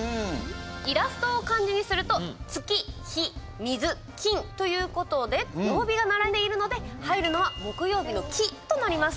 イラストを漢字にすると月、火、水、金ということで曜日が並んでいるので入るのは木曜日の木となります。